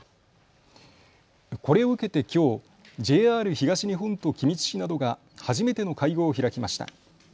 これを受けてきょうＪＲ東日本と君津市などが初めての会合を開きました。